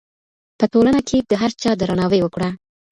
په ټولنه کې د هر چا درناوی وکړه.